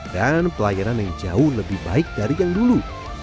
dan pelayanan yang jauh lebih baik dari yang dulu